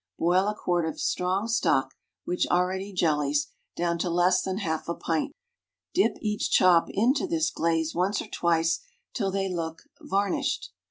Boil a quart of strong stock (which already jellies) down to less than half a pint; dip each chop into this glaze once or twice, till they look "varnished."